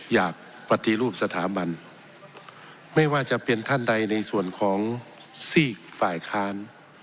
อยากปฏิรูปสถาบันไม่ว่าจะเป็นท่านใดในส่วนของซีกฝ่ายค้าน